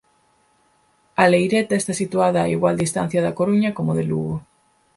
A Leireta está situada a igual distancia da Coruña como de Lugo.